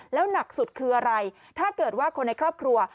แล้วหนักสุดคืออะไรถ้าเกิดว่าคนในครอบครัว